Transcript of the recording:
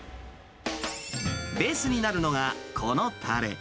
ベースになるのが、このたれ。